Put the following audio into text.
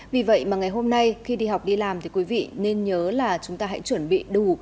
vì vậy mà ngày hôm nay khi đi học đi làm thì quý vị nên nhớ là chúng ta hãy chuẩn bị đủ